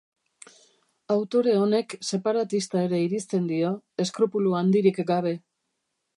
Autore honek separatista ere irizten dio, eskrupulu handirik gabe.